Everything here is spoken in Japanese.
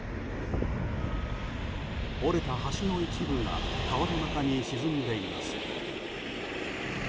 折れた橋の一部が川の中に沈んでいます。